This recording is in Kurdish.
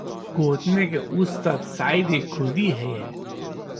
Gotineke Ustad Saîdê Kurdî heye.